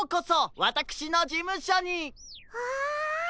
わあ！